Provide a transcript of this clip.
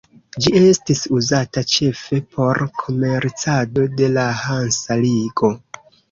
Ĝi estis uzata ĉefe por komercado de la Hansa ligo.